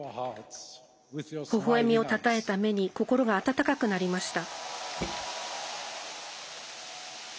微笑みをたたえた目に心が温かくなりました。